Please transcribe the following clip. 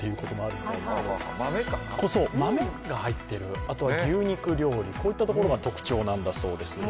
豆が入っているあとは牛肉料理、こういったところが特徴なんだそうですよ。